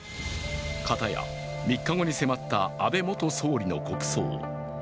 片や、３日後に迫った安倍元総理の国葬。